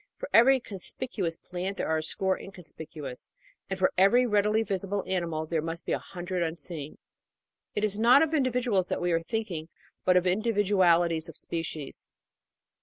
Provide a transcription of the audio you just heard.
For every conspicuous plant there are a score inconspicuous, and for every readily visible animal there must be a hundred unseen. It is not of individuals that we are think ing, but of individualities, of species.